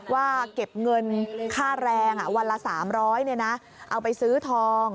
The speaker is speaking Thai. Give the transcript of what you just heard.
ว่าเก็บเงินค่าแรงวันละ๓๐๐เอาไปซื้อทอง